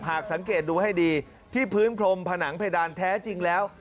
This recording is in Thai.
สังเกตดูให้ดีที่พื้นพรมผนังเพดานแท้จริงแล้ว